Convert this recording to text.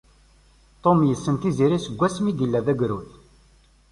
Tom yessen Tiziri seg wasmi yella d agrud.